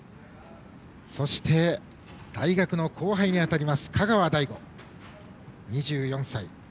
そして大学の後輩に当たります香川大吾、２４歳。